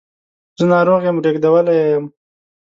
زه ناروغ یم ریږدولی یې یم